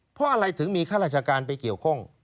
เพราะอะไรถึงมีข้าราชการไปเกี่ยวข้อง